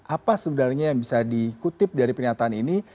apa sebenarnya yang bisa dikutip dari pernyataan ini